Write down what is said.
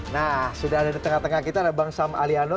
nah sudah ada di tengah tengah kita ada bang sam aliano